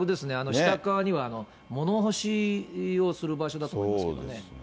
下側には物干しをする場所だと思いますね。